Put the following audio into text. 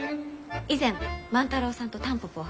以前万太郎さんとタンポポを。